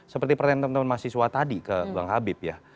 seperti pertanyaan teman teman mahasiswa tadi ke bang habib ya